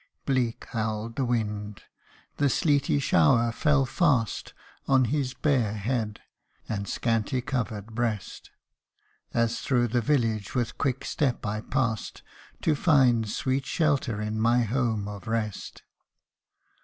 Bleak howled the wind, the sleety shower fell fast On his bare head, and scanty covered breast ; As through the village with quick step I past, To find sweet shelter in my home of rest.